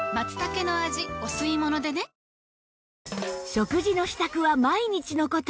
食事の支度は毎日の事